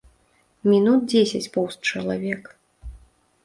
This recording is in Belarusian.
Мінут дзесяць поўз чалавек.